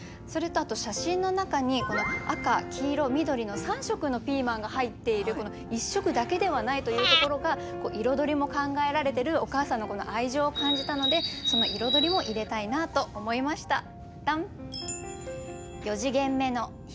それとあと写真の中に赤黄色緑の３色のピーマンが入っているこの１色だけではないというところが彩りも考えられてるお母さんの愛情を感じたのでその彩りも入れたいなと思いました。